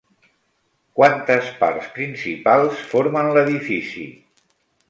Quantes parts principals formen l'edifici?